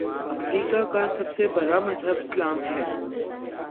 افریقہ کا سب سے بڑا مذہب اسلام ہے